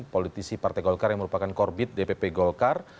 politisi partai golkar yang merupakan korbit dpp golkar